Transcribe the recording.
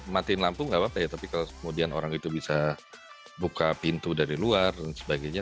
matiin lampu nggak apa apa ya tapi kalau kemudian orang itu bisa buka pintu dari luar dan sebagainya